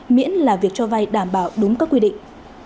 miễn là việc cho vay đảm bảo đúng các quy định